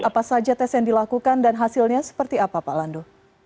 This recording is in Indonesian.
apa saja tes yang dilakukan dan hasilnya seperti apa pak landu